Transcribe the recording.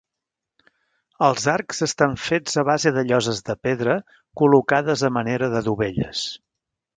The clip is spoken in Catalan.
Els arcs estan fets a base de lloses de pedra col·locades a manera de dovelles.